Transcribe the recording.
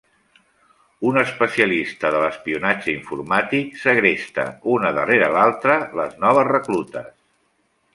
Un especialista de l'espionatge informàtic segresta, una darrera l'altra, les noves reclutes.